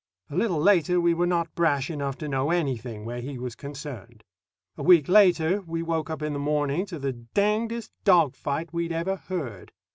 A little later we were not brash enough to know anything where he was concerned. A week later we woke up in the morning to the dangedest dog fight we'd ever heard.